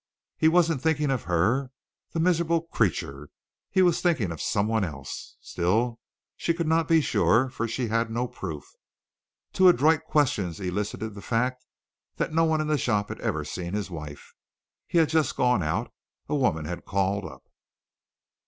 He wasn't thinking of her, the miserable creature! He was thinking of someone else. Still she could not be sure, for she had no proof. Two adroit questions elicited the fact that no one in the shop had ever seen his wife. He had just gone out. A woman had called up.